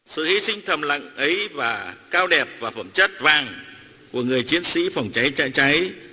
sự hy sinh thầm lặng ấy và cao đẹp và phẩm chất vàng của người chiến sĩ phòng cháy chữa cháy